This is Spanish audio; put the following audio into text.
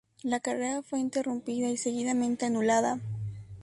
La carrera fue interrumpida y seguidamente anulada.